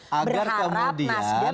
berharap nasdem datang dulu agar kemudian